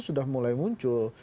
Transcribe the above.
sudah mulai muncul